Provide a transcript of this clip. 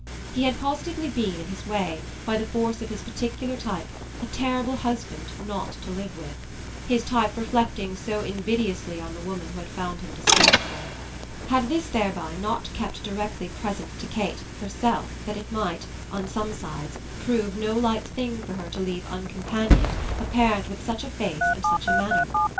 He had positively been, in his way, by the force of his particular type, a terrible husband not to live with; his type reflecting so invidiously on the woman who had found him distasteful. Had this thereby not kept directly present to Kate her self that it might, on some sides, prove no light thing for her to leave uncompanion'd a parent with such a face and such a manner?